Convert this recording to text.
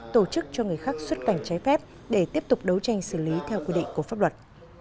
tổ chức cho người khác xuất cảnh trái phép để tiếp tục đấu tranh xử lý theo quy định của pháp luật